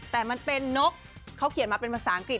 แต่มันเป็นนกเขาเขียนมาเป็นภาษาอังกฤษ